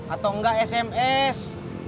atau enggak sms